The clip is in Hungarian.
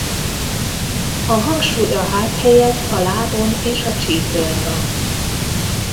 A hangsúly a hát helyett a lábon és a csípőn van.